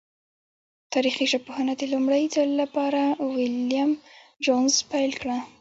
تاریخي ژبپوهنه د لومړی ځل له پاره ویلم جونز پیل کړه.